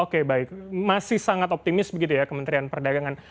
oke baik masih sangat optimis begitu ya kementerian perdagangan